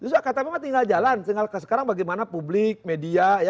iktp mah tinggal jalan tinggal ke sekarang bagaimana publik media